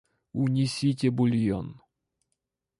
Унесите бульон.